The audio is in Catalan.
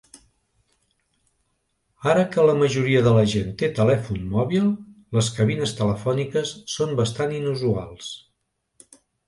Ara que la majoria de la gent té telèfon mòbil, les cabines telefòniques són bastant inusuals.